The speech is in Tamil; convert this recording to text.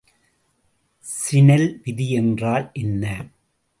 சினெல் விதி என்றால் என்ன?